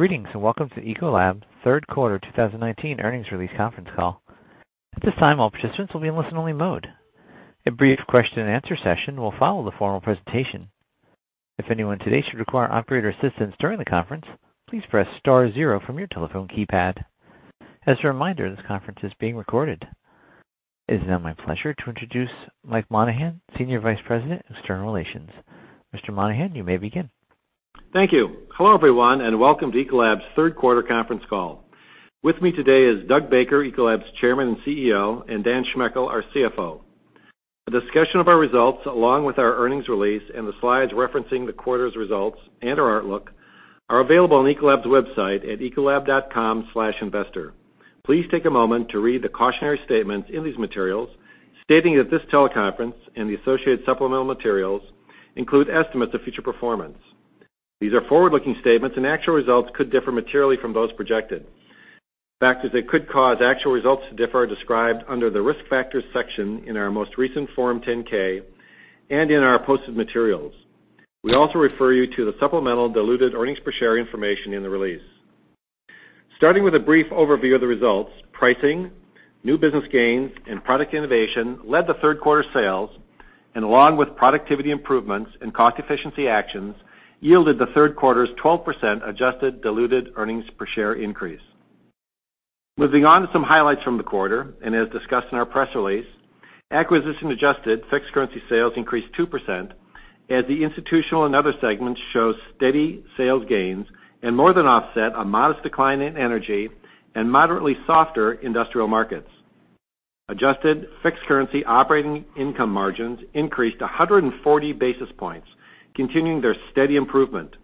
Greetings, welcome to Ecolab's third quarter 2019 earnings release conference call. At this time, all participants will be in listen-only mode. A brief question-and-answer session will follow the formal presentation. If anyone today should require operator assistance during the conference, please press star zero from your telephone keypad. As a reminder, this conference is being recorded. It is now my pleasure to introduce Mike Monahan, Senior Vice President, External Relations. Mr. Monahan, you may begin. Thank you. Hello, everyone, and welcome to Ecolab's third quarter conference call. With me today is Doug Baker, Ecolab's Chairman and CEO, and Dan Schmechel, our CFO. A discussion of our results, along with our earnings release and the slides referencing the quarter's results and our outlook, are available on ecolab.com/investor. Please take a moment to read the cautionary statements in these materials, stating that this teleconference and the associated supplemental materials include estimates of future performance. These are forward-looking statements, and actual results could differ materially from those projected. Factors that could cause actual results to differ are described under the Risk Factors section in our most recent Form 10-K and in our posted materials. We also refer you to the supplemental diluted earnings per share information in the release. Starting with a brief overview of the results, pricing, new business gains, and product innovation led the third quarter sales, along with productivity improvements and cost efficiency actions, yielded the third quarter's 12% adjusted diluted earnings per share increase. As discussed in our press release, acquisition-adjusted fixed currency sales increased 2% as the Institutional and other segments show steady sales gains and more than offset a modest decline in Energy and moderately softer Industrial markets. Adjusted fixed currency operating income margins increased 140 basis points, continuing their steady improvement.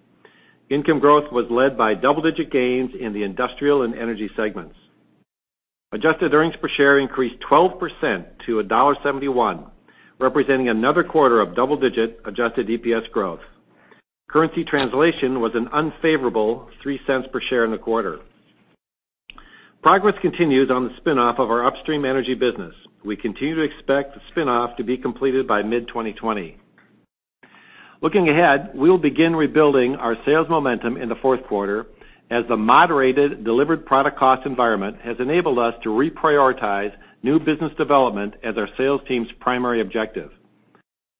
Income growth was led by double-digit gains in the Industrial and Energy segments. Adjusted earnings per share increased 12% to $1.71, representing another quarter of double-digit adjusted EPS growth. Currency translation was an unfavorable $0.03 per share in the quarter. Progress continues on the spin-off of our upstream Energy business. We continue to expect the spin-off to be completed by mid-2020. Looking ahead, we will begin rebuilding our sales momentum in the fourth quarter as the moderated delivered product cost environment has enabled us to reprioritize new business development as our sales team's primary objective.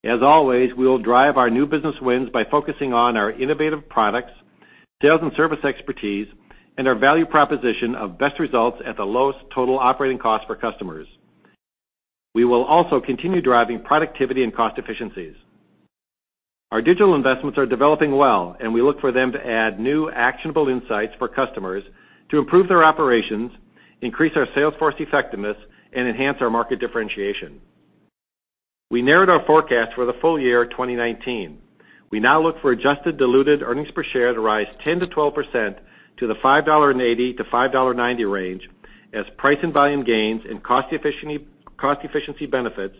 As always, we will drive our new business wins by focusing on our innovative products, sales and service expertise, and our value proposition of best results at the lowest total operating cost for customers. We will also continue driving productivity and cost efficiencies. Our digital investments are developing well, and we look for them to add new actionable insights for customers to improve their operations, increase our sales force effectiveness, and enhance our market differentiation. We narrowed our forecast for the full year 2019. We now look for adjusted diluted earnings per share to rise 10%-12% to the $5.80-$5.90 range as price and volume gains and cost efficiency benefits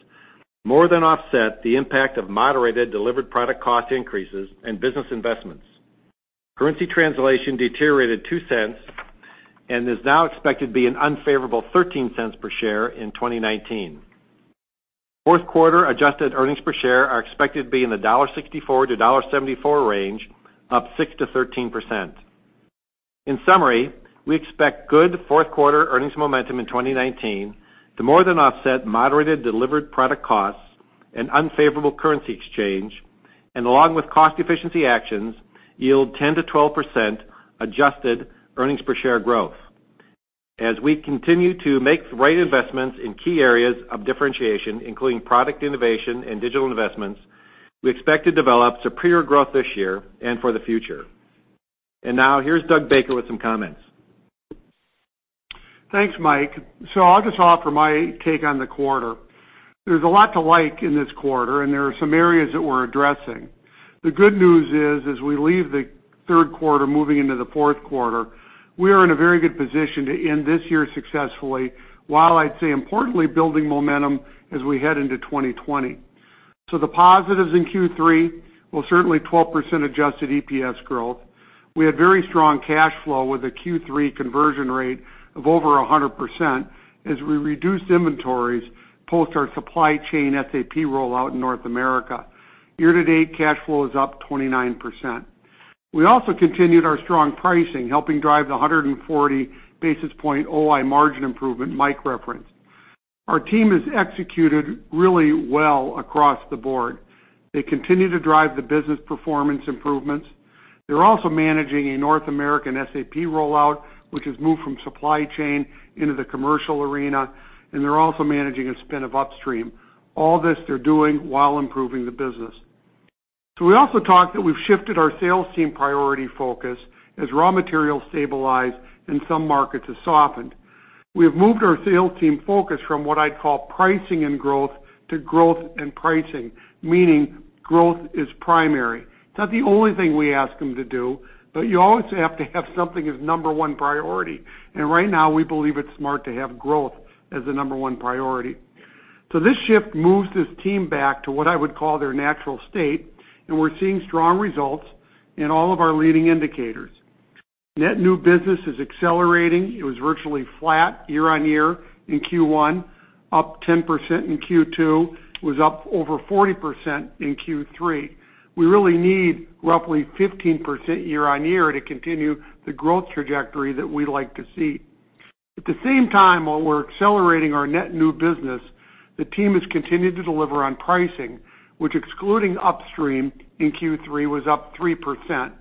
more than offset the impact of moderated delivered product cost increases and business investments. Currency translation deteriorated $0.02 and is now expected to be an unfavorable $0.13 per share in 2019. Fourth quarter adjusted earnings per share are expected to be in the $1.64-$1.74 range, up 6%-13%. In summary, we expect good fourth quarter earnings momentum in 2019 to more than offset moderated delivered product costs and unfavorable currency exchange, and along with cost efficiency actions, yield 10%-12% adjusted earnings per share growth. As we continue to make the right investments in key areas of differentiation, including product innovation and digital investments, we expect to develop superior growth this year and for the future. Now, here's Doug Baker with some comments. Thanks, Mike. I'll just offer my take on the quarter. There's a lot to like in this quarter, and there are some areas that we're addressing. The good news is, as we leave the third quarter moving into the fourth quarter, we are in a very good position to end this year successfully, while, I'd say, importantly, building momentum as we head into 2020. The positives in Q3, well, certainly 12% adjusted EPS growth. We had very strong cash flow with a Q3 conversion rate of over 100% as we reduced inventories post our supply chain SAP rollout in North America. Year-to-date cash flow is up 29%. We also continued our strong pricing, helping drive the 140 basis point OI margin improvement Mike referenced. Our team has executed really well across the board. They continue to drive the business performance improvements. They're also managing a North American SAP rollout, which has moved from supply chain into the commercial arena, and they're also managing a spin of upstream. All this they're doing while improving the business. We also talked that we've shifted our sales team priority focus as raw materials stabilize and some markets have softened. We have moved our sales team focus from what I'd call pricing and growth to growth and pricing, meaning growth is primary. It's not the only thing we ask them to do, but you always have to have something as number one priority, and right now, we believe it's smart to have growth as the number one priority. This shift moves this team back to what I would call their natural state, and we're seeing strong results in all of our leading indicators. Net new business is accelerating. It was virtually flat year-on-year in Q1, up 10% in Q2, was up over 40% in Q3. We really need roughly 15% year-on-year to continue the growth trajectory that we'd like to see. At the same time, while we're accelerating our net new business, the team has continued to deliver on pricing, which excluding upstream in Q3, was up 3%.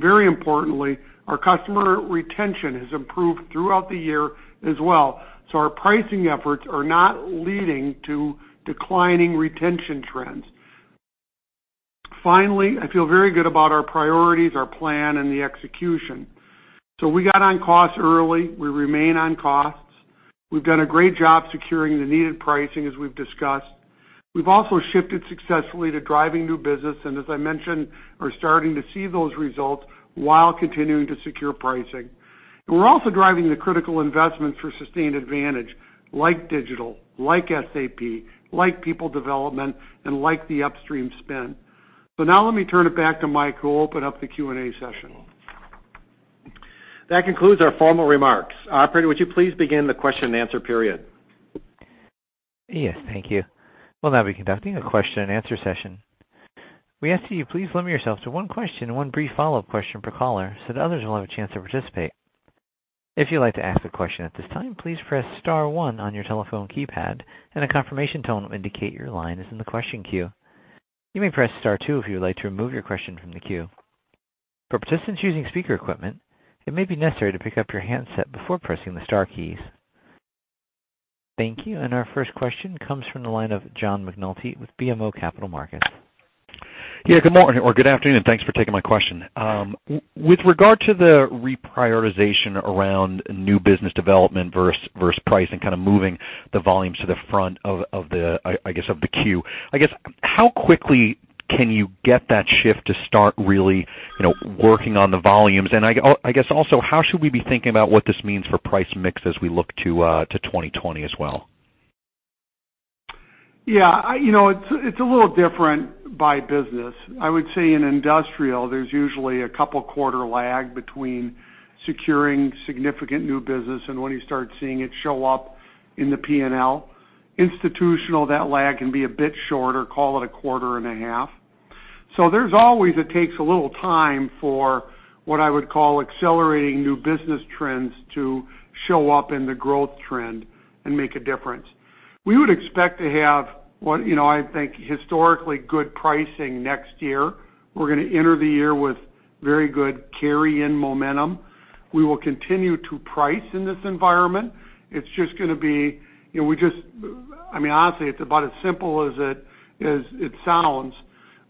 Very importantly, our customer retention has improved throughout the year as well. Our pricing efforts are not leading to declining retention trends. Finally, I feel very good about our priorities, our plan, and the execution. We got on costs early. We remain on costs. We've done a great job securing the needed pricing, as we've discussed. We've also shifted successfully to driving new business, and as I mentioned, are starting to see those results while continuing to secure pricing. We're also driving the critical investments for sustained advantage, like digital, like SAP, like people development, and like the upstream spin. Now let me turn it back to Mike, who will open up the Q&A session. That concludes our formal remarks. Operator, would you please begin the question and answer period? Yes, thank you. We'll now be conducting a question and answer session. We ask that you please limit yourself to one question and one brief follow-up question per caller so that others will have a chance to participate. If you'd like to ask a question at this time, please press * one on your telephone keypad, and a confirmation tone will indicate your line is in the question queue. You may press * two if you would like to remove your question from the queue. For participants using speaker equipment, it may be necessary to pick up your handset before pressing the star keys. Thank you. Our first question comes from the line of John McNulty with BMO Capital Markets. Yeah, good morning or good afternoon. Thanks for taking my question. With regard to the reprioritization around new business development versus price and kind of moving the volumes to the front of the queue, how quickly can you get that shift to start really working on the volumes? Also, how should we be thinking about what this means for price mix as we look to 2020 as well? Yeah. It's a little different by business. I would say in industrial, there's usually a couple quarter lag between securing significant new business and when you start seeing it show up in the P&L. Institutional, that lag can be a bit shorter, call it a quarter and a half. There's always, it takes a little time for what I would call accelerating new business trends to show up in the growth trend and make a difference. We would expect to have what I think historically good pricing next year. We're going to enter the year with very good carry in momentum. We will continue to price in this environment. Honestly, it's about as simple as it sounds.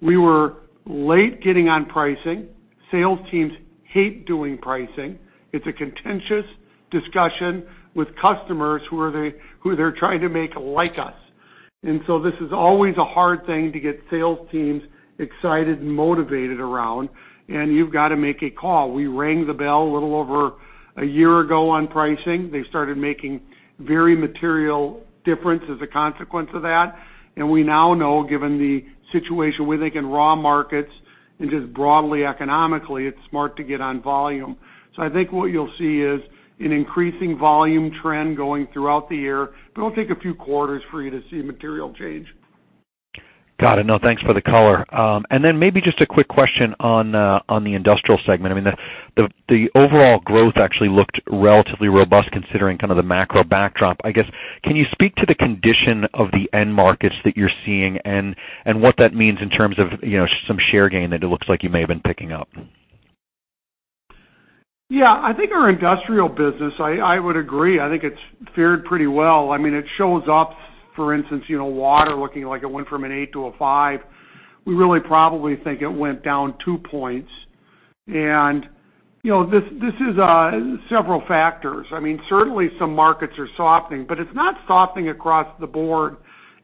We were late getting on pricing. Sales teams hate doing pricing. It's a contentious discussion with customers who they're trying to make like us. This is always a hard thing to get sales teams excited and motivated around, and you've got to make a call. We rang the bell a little over a year ago on pricing. They started making very material difference as a consequence of that. We now know, given the situation, we think in raw markets and just broadly economically, it's smart to get on volume. I think what you'll see is an increasing volume trend going throughout the year, but it'll take a few quarters for you to see a material change. Got it. No, thanks for the color. Maybe just a quick question on the industrial segment. The overall growth actually looked relatively robust considering the macro backdrop. Can you speak to the condition of the end markets that you're seeing and what that means in terms of some share gain that it looks like you may have been picking up? Yeah. I think our industrial business, I would agree, I think it's fared pretty well. It shows up, for instance, water looking like it went from an eight to a five. We really probably think it went down two points, and this is several factors. Certainly some markets are softening, but it's not softening across the board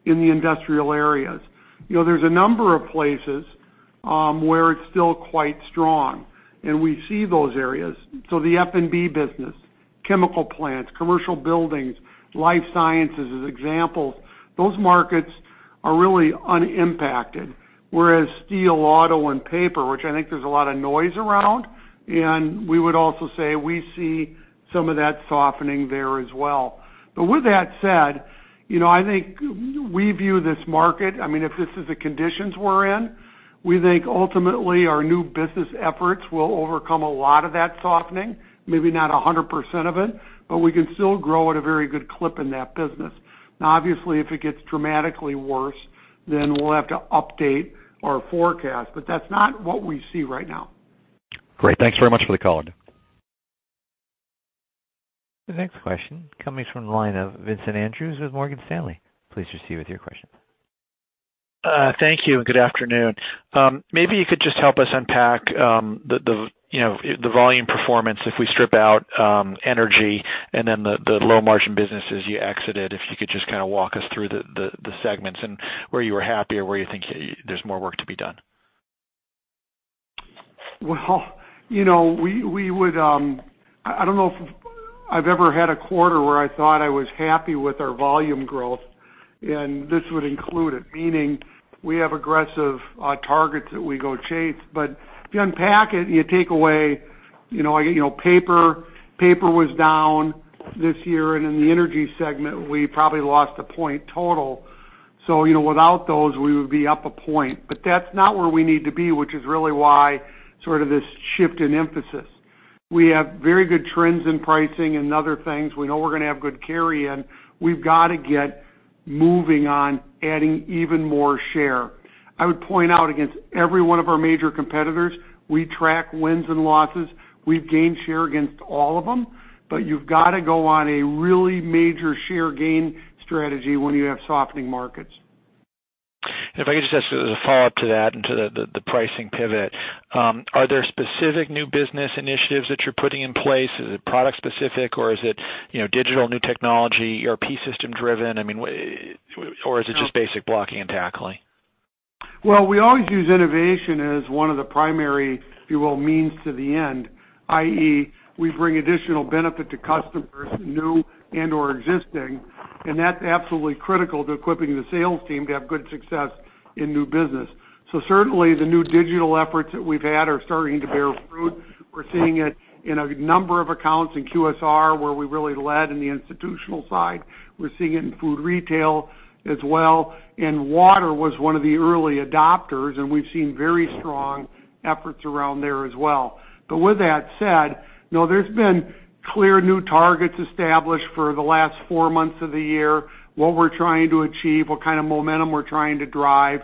in the industrial areas. There's a number of places where it's still quite strong, and we see those areas. The F&B business, chemical plants, commercial buildings, life sciences as examples, those markets are really unimpacted, whereas steel, auto, and paper, which I think there's a lot of noise around, and we would also say we see some of that softening there as well. With that said, I think we view this market, if this is the conditions we're in, we think ultimately our new business efforts will overcome a lot of that softening, maybe not 100% of it, but we can still grow at a very good clip in that business. Obviously, if it gets dramatically worse, then we'll have to update our forecast, but that's not what we see right now. Great. Thanks very much for the call. The next question comes from the line of Vincent Andrews with Morgan Stanley. Please proceed with your question. Thank you, and good afternoon. Maybe you could just help us unpack the volume performance if we strip out energy and then the low margin businesses you exited. If you could just walk us through the segments and where you were happy or where you think there's more work to be done. I don't know if I've ever had a quarter where I thought I was happy with our volume growth. This would include it, meaning we have aggressive targets that we go chase. If you unpack it, you take away paper. Paper was down this year, and in the energy segment, we probably lost 1 point total. Without those, we would be up 1 point. That's not where we need to be, which is really why this shift in emphasis. We have very good trends in pricing and other things. We know we're going to have good carry-in. We've got to get moving on adding even more share. I would point out against every one of our major competitors, we track wins and losses. We've gained share against all of them, but you've got to go on a really major share gain strategy when you have softening markets. If I could just ask a follow-up to that and to the pricing pivot. Are there specific new business initiatives that you're putting in place? Is it product specific or is it digital, new technology, ERP system driven? Is it just basic blocking and tackling? Well, we always use innovation as one of the primary, if you will, means to the end, i.e., we bring additional benefit to customers, new and/or existing, and that's absolutely critical to equipping the sales team to have good success in new business. Certainly, the new digital efforts that we've had are starting to bear fruit. We're seeing it in a number of accounts in QSR, where we really led in the institutional side. We're seeing it in food retail as well. Water was one of the early adopters, and we've seen very strong efforts around there as well. With that said, there's been clear new targets established for the last four months of the year, what we're trying to achieve, what kind of momentum we're trying to drive.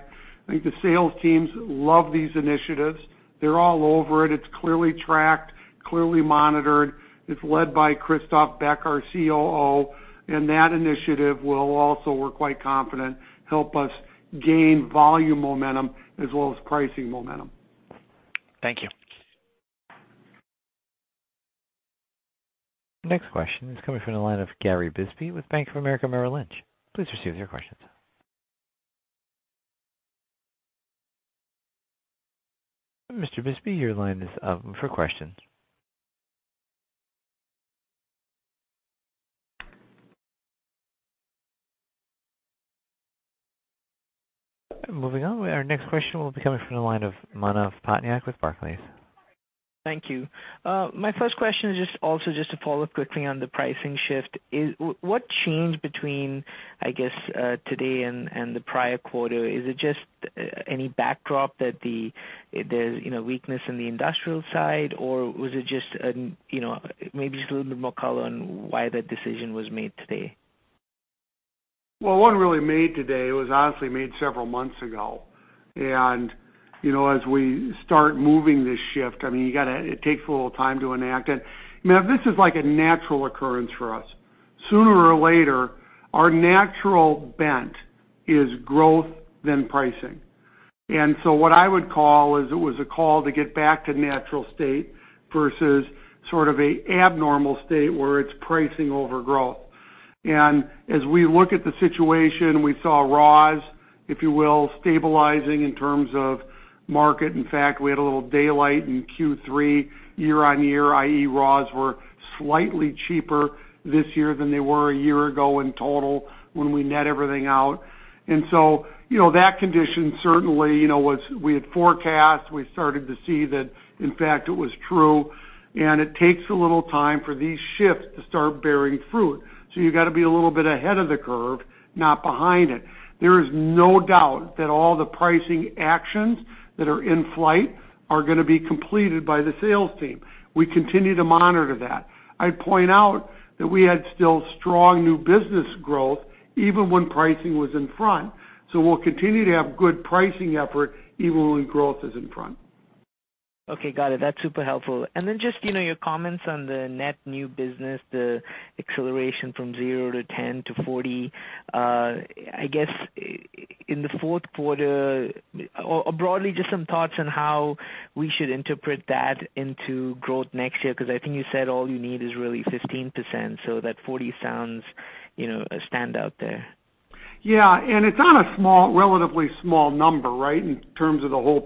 I think the sales teams love these initiatives. They're all over it. It's clearly tracked, clearly monitored. It's led by Christophe Beck, our COO, and that initiative will also, we're quite confident, help us gain volume momentum as well as pricing momentum. Thank you. Next question is coming from the line of Gary Bisbee with Bank of America Merrill Lynch. Please proceed with your questions. Mr. Bisbee, your line is open for questions. Moving on. Our next question will be coming from the line of Manav Patnaik with Barclays. Thank you. My first question is just also just to follow up quickly on the pricing shift. What changed between, I guess, today and the prior quarter? Is it just any backdrop that the weakness in the industrial side, or was it just maybe just a little bit more color on why that decision was made today? Well, it wasn't really made today. It was honestly made several months ago. As we start moving this shift, it takes a little time to enact it. Manav, this is like a natural occurrence for us. Sooner or later, our natural bent is growth then pricing. What I would call is, it was a call to get back to natural state versus sort of a abnormal state where it's pricing over growth. As we look at the situation, we saw raws, if you will, stabilizing in terms of market. In fact, we had a little daylight in Q3 year-on-year, i.e., raws were slightly cheaper this year than they were a year ago in total when we net everything out. That condition, certainly, we had forecast, we started to see that, in fact, it was true, and it takes a little time for these shifts to start bearing fruit. You got to be a little bit ahead of the curve, not behind it. There is no doubt that all the pricing actions that are in flight are going to be completed by the sales team. We continue to monitor that. I'd point out that we had still strong new business growth even when pricing was in front. We'll continue to have good pricing effort even when growth is in front. Okay, got it. That's super helpful. Just your comments on the net new business, the acceleration from 0 to 10 to 40. Broadly, just some thoughts on how we should interpret that into growth next year, because I think you said all you need is really 15%, so that 40 sounds a standout there. It's on a relatively small number, right, in terms of the whole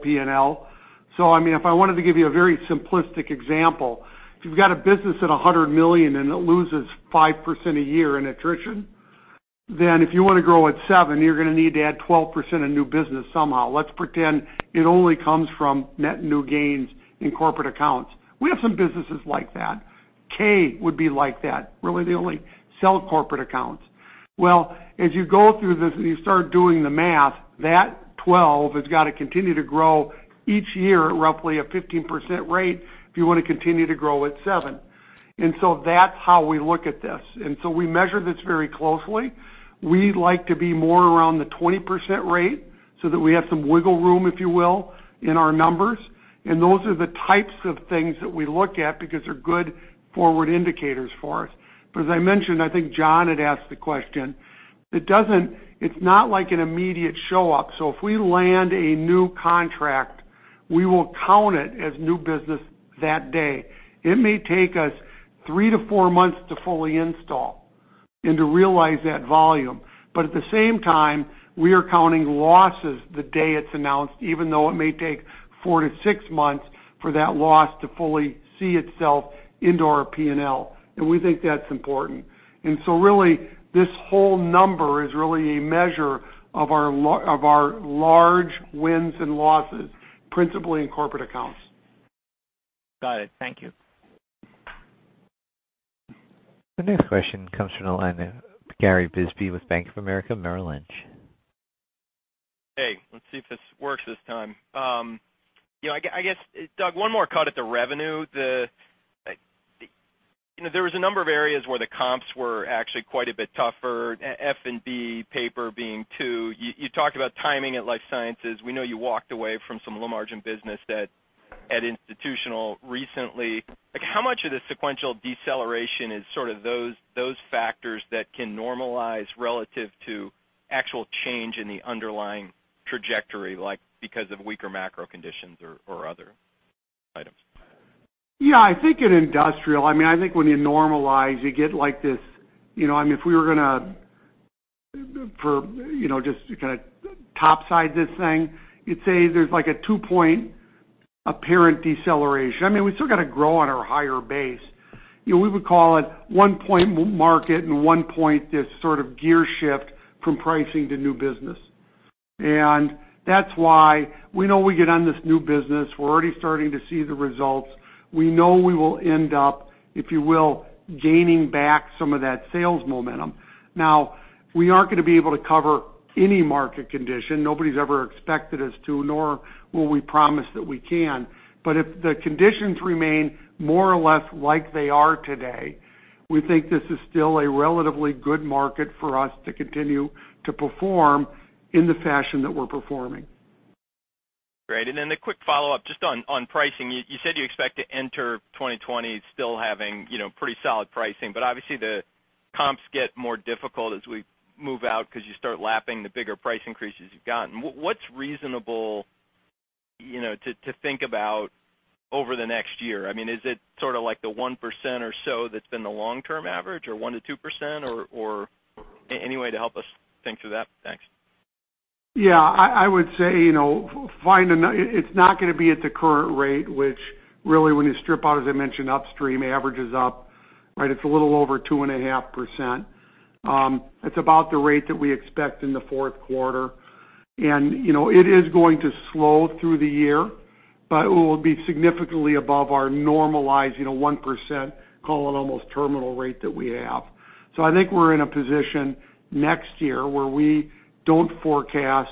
P&L. If I wanted to give you a very simplistic example, if you've got a business at $100 million and it loses 5% a year in attrition, then if you want to grow at seven, you're going to need to add 12% of new business somehow. Let's pretend it only comes from net new gains in corporate accounts. We have some businesses like that. K would be like that. Really, they only sell corporate accounts. As you go through this and you start doing the math, that 12 has got to continue to grow each year at roughly a 15% rate if you want to continue to grow at seven. That's how we look at this. We measure this very closely. We like to be more around the 20% rate so that we have some wiggle room, if you will, in our numbers. Those are the types of things that we look at because they're good forward indicators for us. As I mentioned, I think John had asked the question, it's not like an immediate show up. If we land a new contract, we will count it as new business that day. It may take us three to four months to fully install and to realize that volume. At the same time, we are counting losses the day it's announced, even though it may take four to six months for that loss to fully see itself into our P&L. We think that's important. Really, this whole number is really a measure of our large wins and losses, principally in corporate accounts. Got it. Thank you. The next question comes from the line of Gary Bisbee with Bank of America Merrill Lynch. Hey, let's see if this works this time. Doug, one more cut at the revenue. There was a number of areas where the comps were actually quite a bit tougher, F&B paper being two. You talked about timing at life sciences. We know you walked away from some low margin business at institutional recently. How much of the sequential deceleration is sort of those factors that can normalize relative to actual change in the underlying trajectory, like because of weaker macro conditions or other items? Yeah, I think in industrial, I think when you normalize, if we were going to just kind of top side this thing, you'd say there's like a two-point apparent deceleration. We still got to grow on our higher base. We would call it one point market and one point this sort of gear shift from pricing to new business. That's why we know we get on this new business. We're already starting to see the results. We know we will end up, if you will, gaining back some of that sales momentum. Now, we aren't going to be able to cover any market condition. Nobody's ever expected us to, nor will we promise that we can. If the conditions remain more or less like they are today, we think this is still a relatively good market for us to continue to perform in the fashion that we're performing. Great. Then a quick follow-up just on pricing. You said you expect to enter 2020 still having pretty solid pricing, but obviously the comps get more difficult as we move out because you start lapping the bigger price increases you've gotten. What's reasonable to think about over the next year? Is it sort of like the 1% or so that's been the long-term average, or 1% to 2%, or any way to help us think through that? Thanks. Yeah, I would say, it's not going to be at the current rate, which really when you strip out, as I mentioned, upstream averages up, it's a little over 2.5%. It's about the rate that we expect in the fourth quarter. It is going to slow through the year, but it will be significantly above our normalized 1%, call it almost terminal rate that we have. I think we're in a position next year where we don't forecast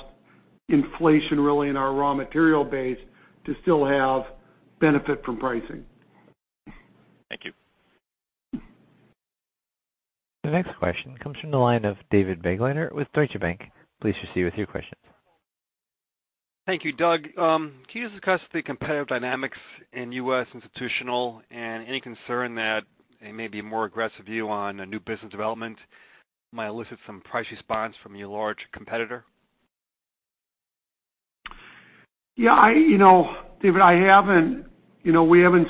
inflation really in our raw material base to still have benefit from pricing. Thank you. The next question comes from the line of David Begleiter with Deutsche Bank. Please proceed with your questions. Thank you, Doug. Can you just discuss the competitive dynamics in U.S. Institutional and any concern that a maybe more aggressive view on a new business development might elicit some price response from your large competitor? Yeah, David, we haven't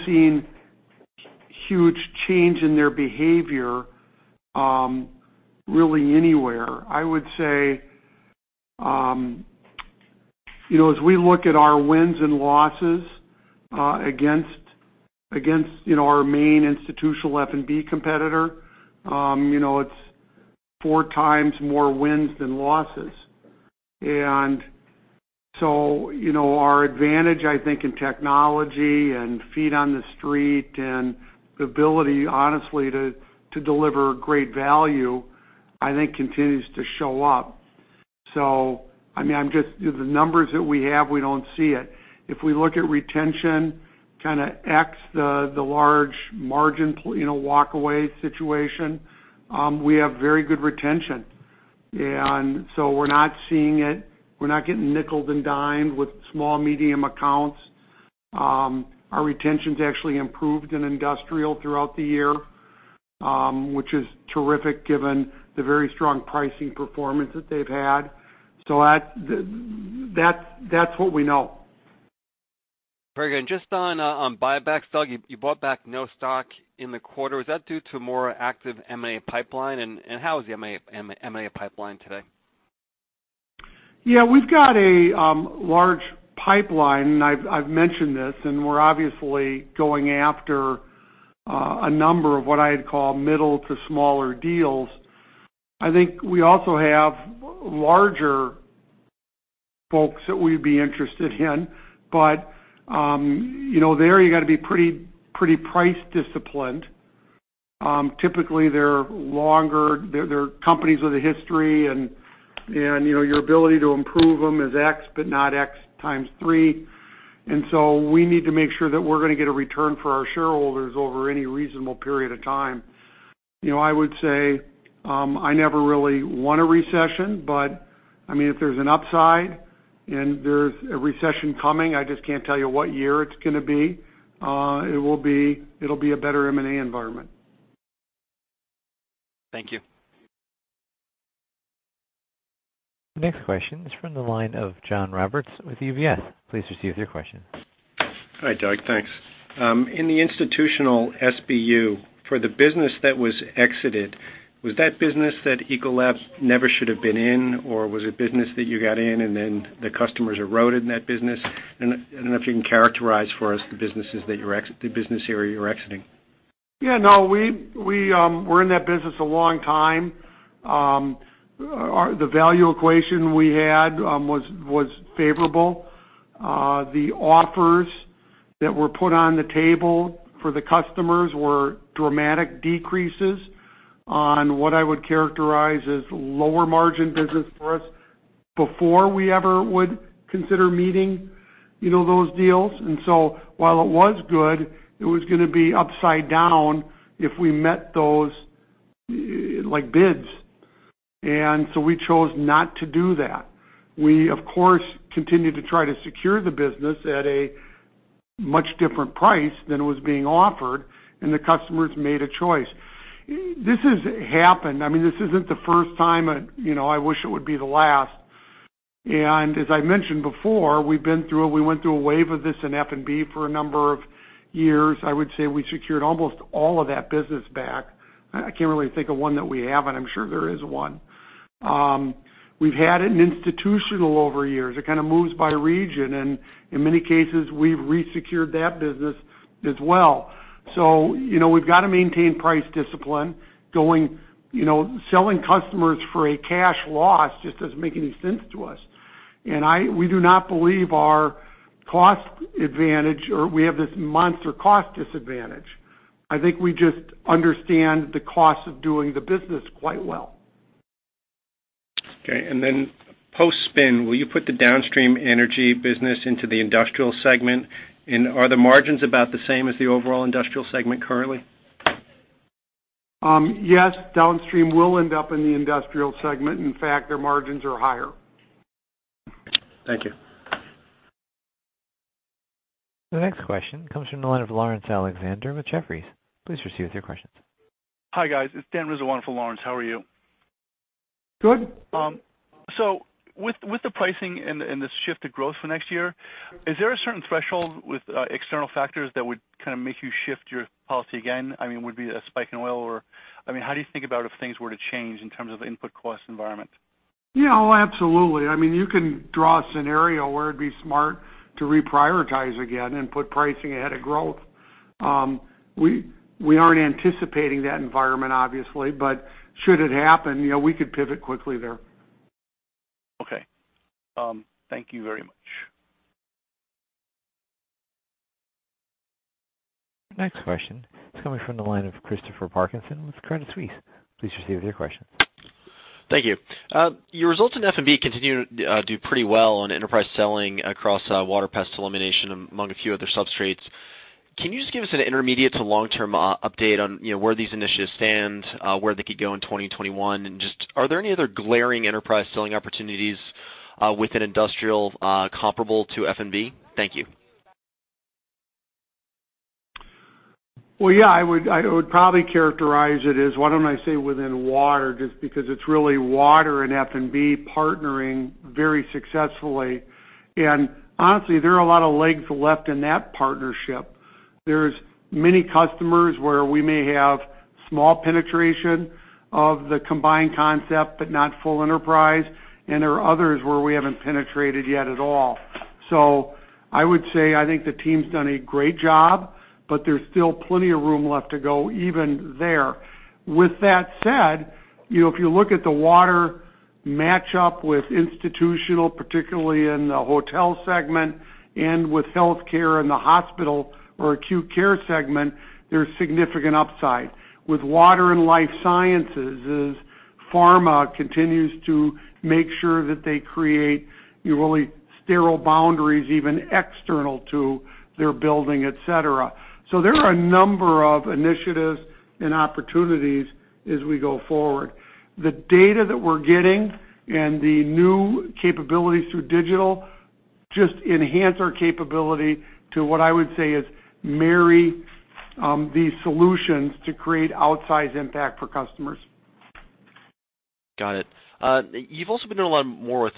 seen huge change in their behavior really anywhere. I would say, as we look at our wins and losses against our main institutional F&B competitor, it's four times more wins than losses. Our advantage, I think, in technology and feet on the street and the ability, honestly, to deliver great value, I think, continues to show up. The numbers that we have, we don't see it. If we look at retention, kind of X the large margin walk away situation, we have very good retention. We're not seeing it. We're not getting nickeled and dimed with small, medium accounts. Our retention's actually improved in industrial throughout the year, which is terrific given the very strong pricing performance that they've had. That's what we know. Very good. Just on buybacks, Doug, you bought back no stock in the quarter. Is that due to more active M&A pipeline? How is the M&A pipeline today? Yeah, we've got a large pipeline, and I've mentioned this, and we're obviously going after a number of what I'd call middle to smaller deals. I think we also have larger folks that we'd be interested in, but there you got to be pretty price disciplined. Typically, they're longer. They're companies with a history, and your ability to improve them is X, but not X times three. We need to make sure that we're going to get a return for our shareholders over any reasonable period of time. I would say, I never really want a recession, but if there's an upside and there's a recession coming, I just can't tell you what year it's going to be. It'll be a better M&A environment. Thank you. Next question is from the line of John Roberts with UBS. Please proceed with your question. Hi, Doug. Thanks. In the institutional SBU, for the business that was exited, was that business that Ecolab never should have been in, or was it business that you got in and then the customers eroded in that business? I don't know if you can characterize for us the business area you're exiting. Yeah, no, we were in that business a long time. The value equation we had was favorable. The offers that were put on the table for the customers were dramatic decreases on what I would characterize as lower margin business for us before we ever would consider meeting those deals. While it was good, it was going to be upside down if we met those bids. We chose not to do that. We, of course, continued to try to secure the business at a much different price than it was being offered, and the customers made a choice. This has happened. This isn't the first time, I wish it would be the last. As I mentioned before, we went through a wave of this in F&B for a number of years. I would say we secured almost all of that business back. I can't really think of one that we haven't. I'm sure there is one. We've had it in institutional over years. It kind of moves by region, and in many cases, we've resecured that business as well. We've got to maintain price discipline. Selling customers for a cash loss just doesn't make any sense to us. We do not believe our cost advantage, or we have this monster cost disadvantage. I think we just understand the cost of doing the business quite well. Okay, post-spin, will you put the downstream energy business into the Industrial Segment? Are the margins about the same as the overall Industrial Segment currently? Yes, downstream will end up in the industrial segment. In fact, their margins are higher. Thank you. The next question comes from the line of Laurence Alexander with Jefferies. Please proceed with your questions. Hi, guys. It's Daniel Rizzo on for Laurence. How are you? Good. With the pricing and the shift to growth for next year, is there a certain threshold with external factors that would kind of make you shift your policy again? Would it be a spike in oil or how do you think about if things were to change in terms of the input cost environment? Yeah, absolutely. You can draw a scenario where it'd be smart to reprioritize again and put pricing ahead of growth. We aren't anticipating that environment, obviously, but should it happen, we could pivot quickly there. Okay. Thank you very much. Next question is coming from the line of Christopher Parkinson with Credit Suisse. Please proceed with your question. Thank you. Your results in F&B continue to do pretty well on enterprise selling across Water Pest Elimination, among a few other substrates. Can you just give us an intermediate to long-term update on where these initiatives stand, where they could go in 2021, and just are there any other glaring enterprise selling opportunities within industrial comparable to F&B? Thank you. Well, yeah, I would probably characterize it as, why don't I say within water, just because it's really water and F&B partnering very successfully. Honestly, there are a lot of legs left in that partnership. There's many customers where we may have small penetration of the combined concept, but not full enterprise, and there are others where we haven't penetrated yet at all. I would say, I think the team's done a great job, but there's still plenty of room left to go even there. With that said, if you look at the water match up with institutional, particularly in the hotel segment and with healthcare in the hospital or acute care segment, there's significant upside. With water and life sciences, as pharma continues to make sure that they create sterile boundaries, even external to their building, et cetera. There are a number of initiatives and opportunities as we go forward. The data that we're getting and the new capabilities through digital just enhance our capability to what I would say is marry these solutions to create outsized impact for customers. Got it. You've also been doing a lot more with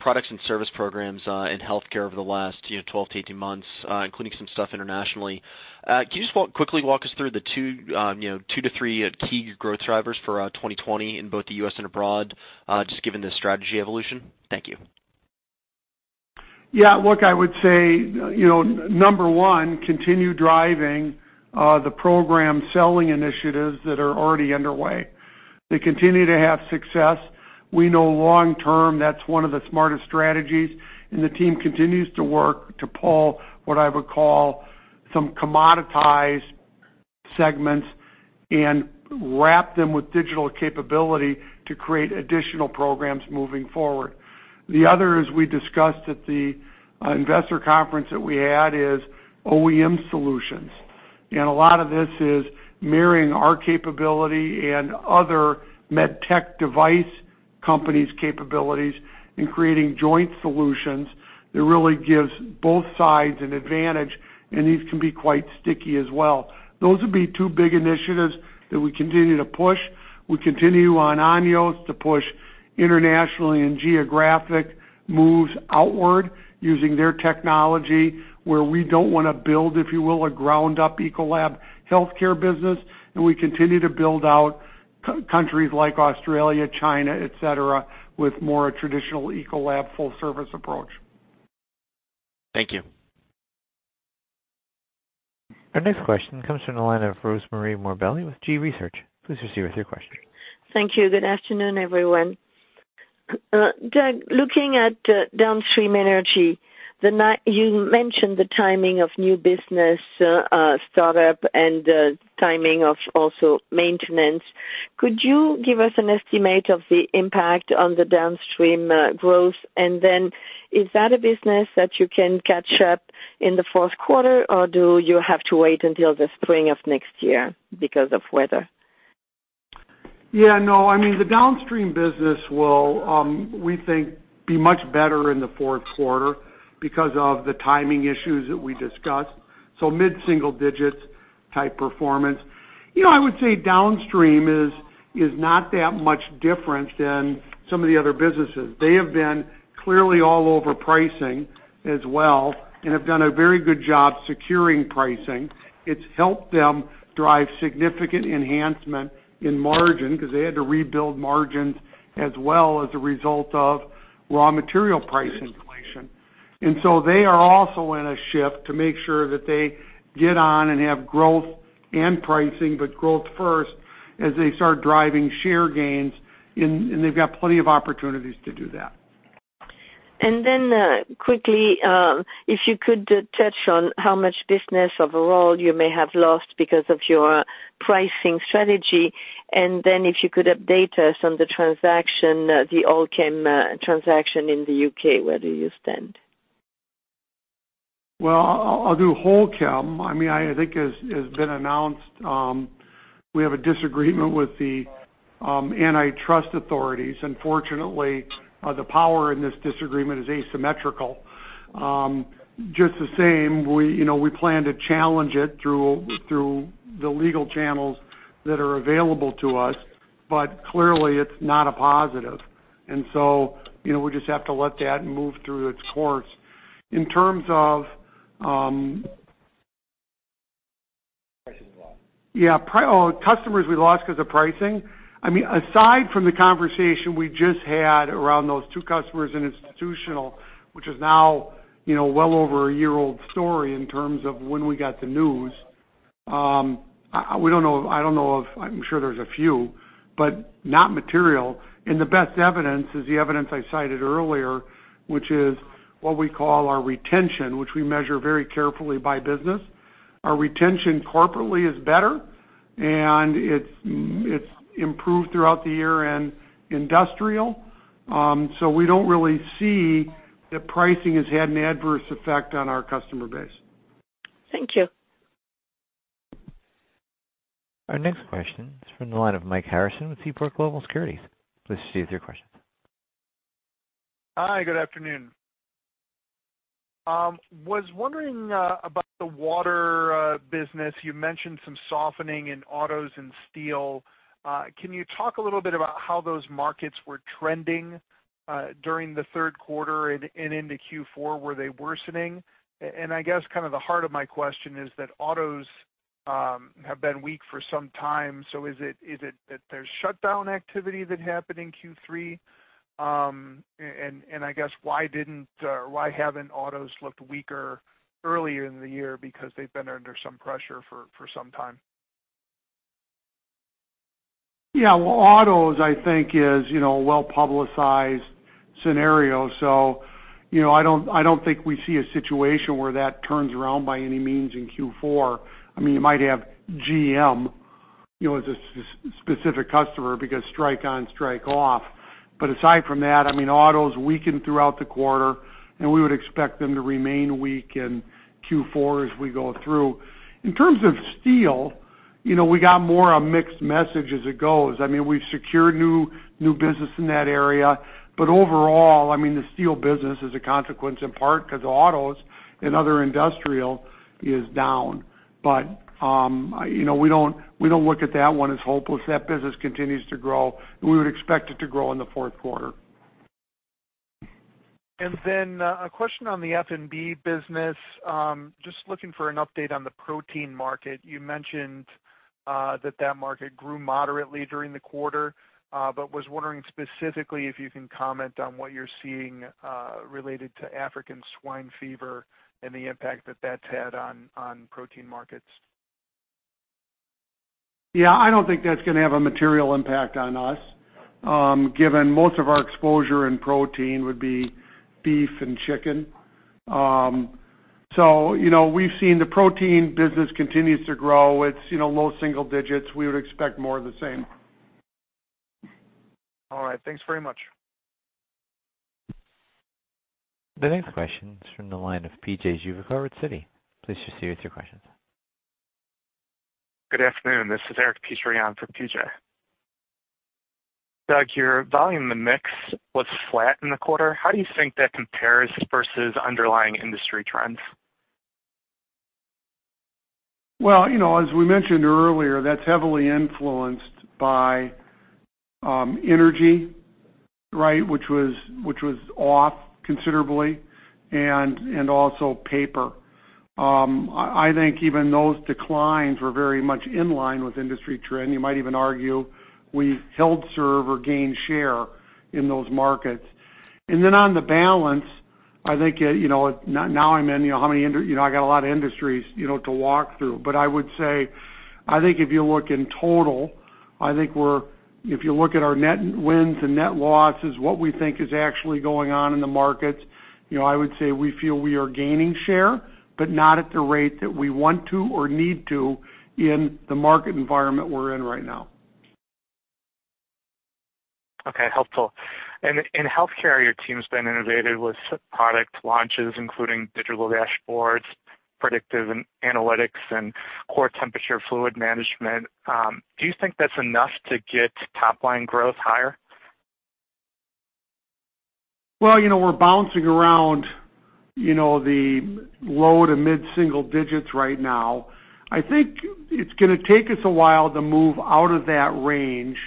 products and service programs in healthcare over the last 12-18 months, including some stuff internationally. Can you just quickly walk us through the two to three key growth drivers for 2020 in both the U.S. and abroad, just given the strategy evolution? Thank you. Yeah, look, I would say, number one, continue driving the program selling initiatives that are already underway. They continue to have success. We know long-term, that's one of the smartest strategies, and the team continues to work to pull what I would call some commoditized segments and wrap them with digital capability to create additional programs moving forward. The other, as we discussed at the investor conference that we had, is OEM solutions. A lot of this is mirroring our capability and other med tech device companies' capabilities in creating joint solutions that really gives both sides an advantage, and these can be quite sticky as well. Those would be two big initiatives that we continue to push. We continue on Anios to push internationally in geographic moves outward using their technology where we don't want to build, if you will, a ground-up Ecolab healthcare business, and we continue to build out countries like Australia, China, et cetera, with more traditional Ecolab full service approach. Thank you. Our next question comes from the line of Rosemarie Morbelli with Gabelli Funds. Please proceed with your question. Thank you. Good afternoon, everyone. Doug, looking at downstream energy, you mentioned the timing of new business startup and the timing of also maintenance. Could you give us an estimate of the impact on the downstream growth? Is that a business that you can catch up in the fourth quarter, or do you have to wait until the spring of next year because of weather? Yeah, no. The downstream business will, we think, be much better in the fourth quarter because of the timing issues that we discussed. Mid-single digits type performance. I would say downstream is not that much different than some of the other businesses. They have been clearly all over pricing as well and have done a very good job securing pricing. It's helped them drive significant enhancement in margin because they had to rebuild margins as well as a result of raw material price inflation. They are also in a shift to make sure that they get on and have growth and pricing, but growth first as they start driving share gains, and they've got plenty of opportunities to do that. Quickly, if you could touch on how much business overall you may have lost because of your pricing strategy, and then if you could update us on the transaction, the Holchem transaction in the U.K., where do you stand? Well, I'll do Holchem. I think as has been announced, we have a disagreement with the antitrust authorities. Unfortunately, the power in this disagreement is asymmetrical. Just the same, we plan to challenge it through the legal channels that are available to us, but clearly it's not a positive. We just have to let that move through its course. Customers we lost. Yeah. Oh, customers we lost because of pricing? Aside from the conversation we just had around those 2 customers in Institutional, which is now well over a 1 year old story in terms of when we got the news. I'm sure there's a few, but not material, and the best evidence is the evidence I cited earlier, which is what we call our retention, which we measure very carefully by business. Our retention corporately is better, and it's improved throughout the year in Industrial. We don't really see that pricing has had an adverse effect on our customer base. Thank you. Our next question is from the line of Mike Harrison with Seaport Global Securities. Please proceed with your questions. Hi, good afternoon. Was wondering about the water business. You mentioned some softening in autos and steel. Can you talk a little bit about how those markets were trending during the third quarter and into Q4? Were they worsening? I guess kind of the heart of my question is that autos have been weak for some time. Is it that there's shutdown activity that happened in Q3? I guess, why haven't autos looked weaker earlier in the year because they've been under some pressure for some time? Yeah. Well, autos, I think is a well-publicized scenario. I don't think we see a situation where that turns around by any means in Q4. You might have GM as a specific customer because strike on, strike off. Aside from that, autos weakened throughout the quarter, and we would expect them to remain weak in Q4 as we go through. In terms of steel, we got more a mixed message as it goes. We've secured new business in that area, but overall, the steel business is a consequence in part because autos and other industrial is down. We don't look at that one as hopeless. That business continues to grow, and we would expect it to grow in the fourth quarter. A question on the F&B business. Just looking for an update on the protein market. You mentioned that that market grew moderately during the quarter. Was wondering specifically if you can comment on what you're seeing related to African swine fever and the impact that that's had on protein markets. Yeah, I don't think that's going to have a material impact on us, given most of our exposure in protein would be beef and chicken. We've seen the protein business continues to grow. It's low single digits. We would expect more of the same. All right. Thanks very much. The next question is from the line of PJ with Citi. Please proceed with your questions. Good afternoon. This is Eric Petrion from PJ. Doug, your volume in the mix was flat in the quarter. How do you think that compares versus underlying industry trends? Well, as we mentioned earlier, that's heavily influenced by energy, which was off considerably, and also paper. I think even those declines were very much in line with industry trend. You might even argue we held serve or gained share in those markets. On the balance, I think, now I'm in, I got a lot of industries to walk through. I would say, I think if you look in total, if you look at our net wins and net losses, what we think is actually going on in the markets, I would say we feel we are gaining share, but not at the rate that we want to or need to in the market environment we're in right now. Helpful. In healthcare, your team's been innovative with product launches, including digital dashboards, predictive analytics, and core temperature fluid management. Do you think that's enough to get top-line growth higher? Well, we're bouncing around the low- to mid-single digits right now. I think it's gonna take us a while to move out of that range.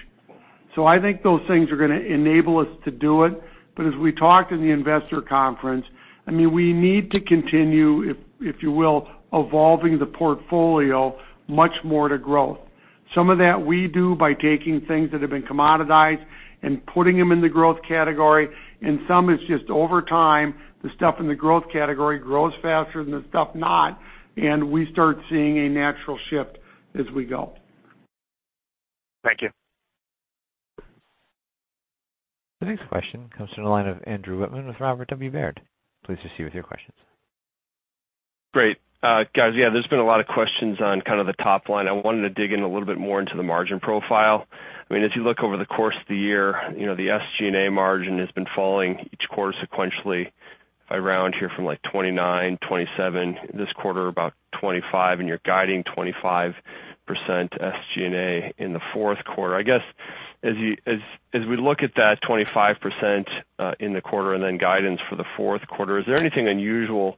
I think those things are gonna enable us to do it. As we talked in the investor conference, we need to continue, if you will, evolving the portfolio much more to growth. Some of that we do by taking things that have been commoditized and putting them in the growth category, and some it's just over time, the stuff in the growth category grows faster than the stuff not, and we start seeing a natural shift as we go. Thank you. The next question comes from the line of Andrew Wittmann with Robert W. Baird. Please proceed with your questions. Great. Guys, yeah, there's been a lot of questions on kind of the top line. I wanted to dig in a little bit more into the margin profile. If you look over the course of the year, the SG&A margin has been falling each quarter sequentially by round here from like 29, 27, this quarter about 25, and you're guiding 25% SG&A in the fourth quarter. I guess, as we look at that 25% in the quarter and then guidance for the fourth quarter, is there anything unusual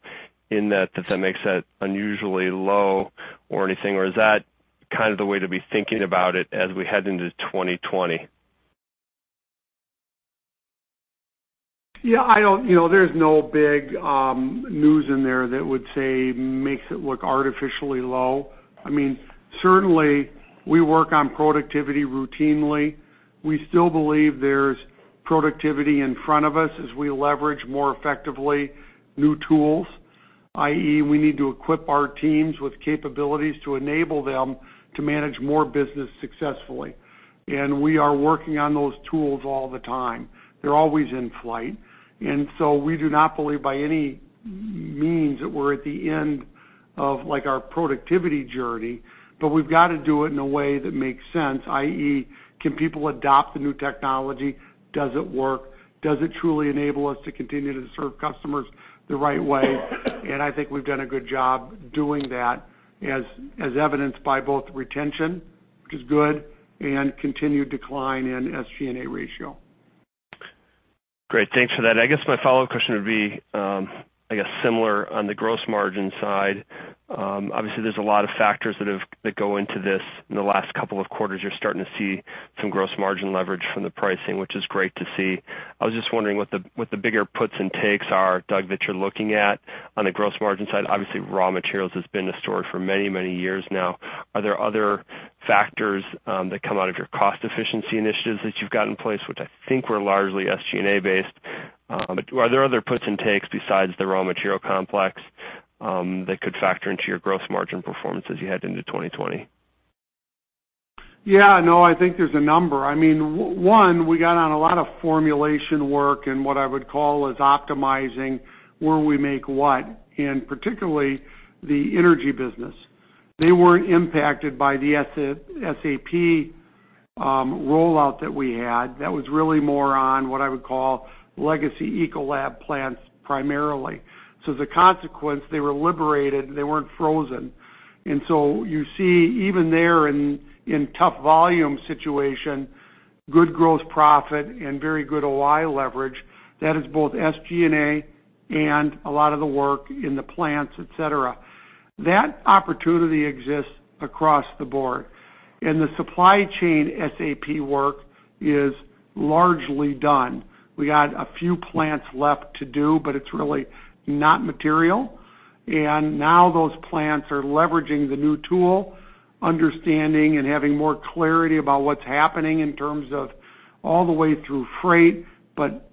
in that makes that unusually low or anything, or is that kind of the way to be thinking about it as we head into 2020? Yeah, there's no big news in there that would say makes it look artificially low. Certainly, we work on productivity routinely. We still believe there's productivity in front of us as we leverage more effectively new tools, i.e., we need to equip our teams with capabilities to enable them to manage more business successfully. We are working on those tools all the time. They're always in flight. We do not believe by any means that we're at the end of our productivity journey, but we've got to do it in a way that makes sense, i.e., can people adopt the new technology? Does it work? Does it truly enable us to continue to serve customers the right way? I think we've done a good job doing that, as evidenced by both retention, which is good, and continued decline in SG&A ratio. Great. Thanks for that. I guess my follow-up question would be, I guess similar on the gross margin side. Obviously, there's a lot of factors that go into this. In the last couple of quarters, you're starting to see some gross margin leverage from the pricing, which is great to see. I was just wondering what the bigger puts and takes are, Doug, that you're looking at on the gross margin side. Obviously, raw materials has been the story for many, many years now. Are there other factors that come out of your cost efficiency initiatives that you've got in place, which I think were largely SG&A based? Are there other puts and takes besides the raw material complex, that could factor into your gross margin performance as you head into 2020? Yeah. No, I think there's a number. One, we got on a lot of formulation work and what I would call is optimizing where we make what, and particularly the energy business. They weren't impacted by the SAP rollout that we had. That was really more on what I would call legacy Ecolab plants primarily. The consequence, they were liberated, they weren't frozen. You see even there in tough volume situation, good gross profit and very good OI leverage, that is both SG&A and a lot of the work in the plants, et cetera. That opportunity exists across the board. The supply chain SAP work is largely done. We got a few plants left to do, it's really not material. Now those plants are leveraging the new tool, understanding and having more clarity about what's happening in terms of all the way through freight, but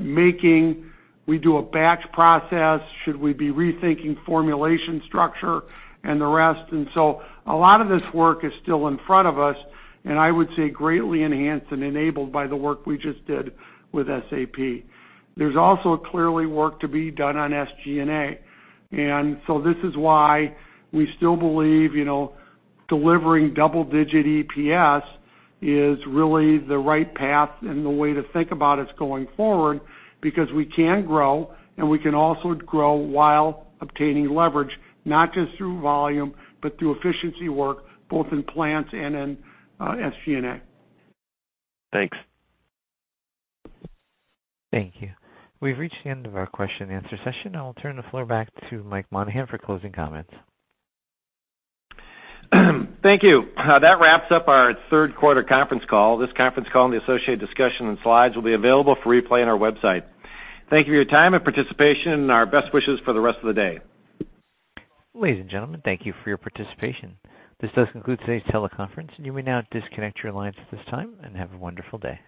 making, we do a batch process, should we be rethinking formulation structure and the rest. A lot of this work is still in front of us, and I would say greatly enhanced and enabled by the work we just did with SAP. There's also clearly work to be done on SG&A. This is why we still believe delivering double-digit EPS is really the right path, and the way to think about us going forward, because we can grow and we can also grow while obtaining leverage, not just through volume, but through efficiency work both in plants and in SG&A. Thanks. Thank you. We've reached the end of our question and answer session. I'll turn the floor back to Michael Monahan for closing comments. Thank you. That wraps up our third quarter conference call. This conference call and the associated discussion and slides will be available for replay on our website. Thank you for your time and participation, and our best wishes for the rest of the day. Ladies and gentlemen, thank you for your participation. This does conclude today's teleconference. You may now disconnect your lines at this time, and have a wonderful day.